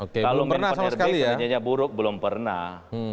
kalau menit kinerja buruk belum pernah